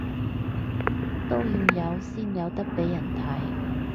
都要有先有得畀人睇